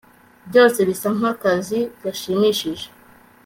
ibyo bisa nkakazi gashimishije